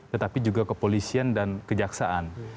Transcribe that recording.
tetapi juga kepolisian dan kejaksaan